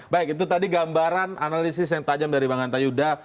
baik itu tadi gambaran analisis yang tajam dari bang anta yuda